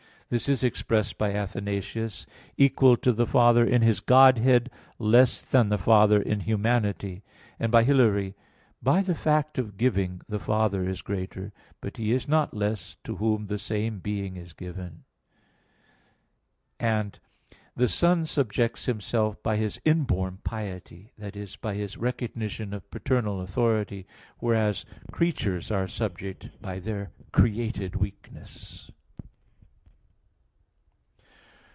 This is expressed by Athanasius, "Equal to the Father in His Godhead; less than the Father in humanity": and by Hilary (De Trin. ix): "By the fact of giving, the Father is greater; but He is not less to Whom the same being is given"; and (De Synod.): "The Son subjects Himself by His inborn piety" that is, by His recognition of paternal authority; whereas "creatures are subject by their created weakness."